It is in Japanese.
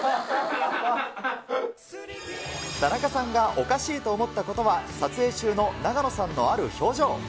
田中さんがおかしいと思ったことは、撮影中の永野さんのある表情。